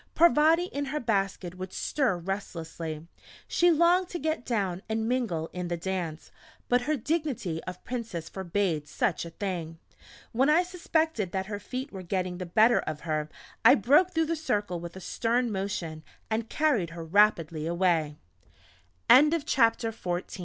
Parvati in her basket would stir restlessly: she longed to get down and mingle in the dance, but her dignity of Princess forbade such a thing. When I suspected that her feet were getting the better of her, I broke through the circle with a stern motion, and c